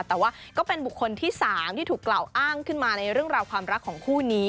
แต่ว่าก็เป็นบุคคลที่๓ที่ถูกกล่าวอ้างขึ้นมาในเรื่องราวความรักของคู่นี้